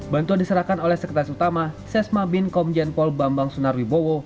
bantuan diserahkan oleh sekretaris utama sesma bin komjen pol bambang sunarwibowo